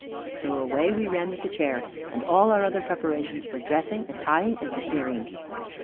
So away we ran with the chair, and all our other preparations for dressing and tying and securing.